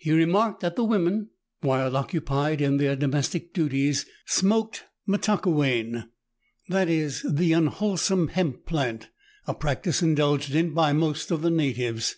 He remarked that the women, while occupied in their domestic duties, smoked " matokouan6," that is, the unwholesome hemp plant, a practice indulged in by most of the natives.